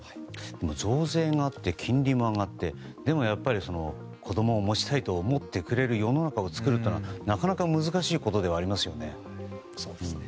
増税があって金利も上がってでもやっぱり子供を持ちたいと思ってくれる世の中を作るのはなかなか難しいことでもありますね。